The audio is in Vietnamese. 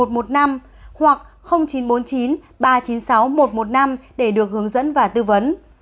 hoặc chín trăm sáu mươi chín tám mươi hai một trăm một mươi năm hoặc chín trăm bốn mươi chín ba trăm chín mươi sáu một trăm một mươi năm để được hướng dẫn và tư vấn